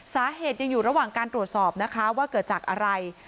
สาเหตุยังอยู่ระหว่างการตรวจสอบนะคะว่าเกิดจากอะไร